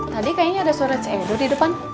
tadi kayaknya ada suara cik edo di depan